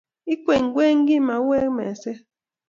ikwenykwenyi mauek meset